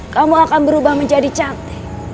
kamu akan berubah menjadi cantik